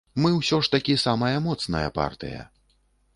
Мы ўсё ж такі самая моцная партыя.